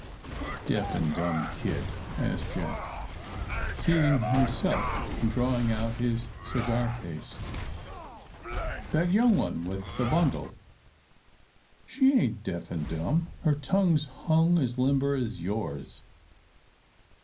"What deaf and dumb kid?" asked Jack, seating himself, and drawing out his cigar case. "That young one with the bundle." "She ain't deaf and dumb. Her tongue's hung as limber as yours."